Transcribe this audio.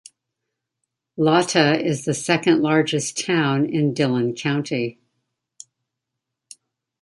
Latta is the second largest town in Dillon County.